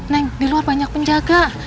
neng di luar banyak penjaga